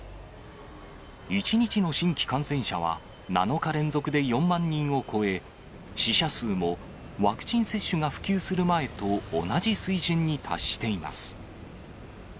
１日の新規感染者は、７日連続で４万人を超え、死者数もワクチン接種が普及する前と同じ水準に達しています。